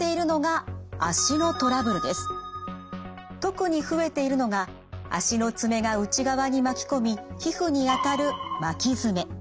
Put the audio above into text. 特に増えているのが足の爪が内側に巻き込み皮膚に当たる巻き爪。